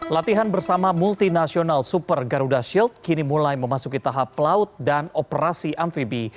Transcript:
latihan bersama multinasional super garuda shield kini mulai memasuki tahap pelaut dan operasi amfibi